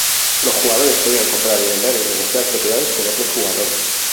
Los jugadores podían comprar, vender y negociar propiedades con otros jugadores.